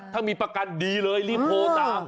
ถ้ามีประกันดีเลยรีบโทรตาม